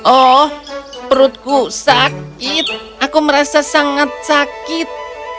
oh perutku sakit aku merasa sangat sakit